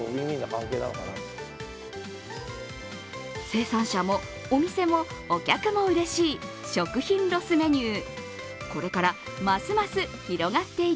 生産者もお店もお客もうれしい食品ロスメニュー。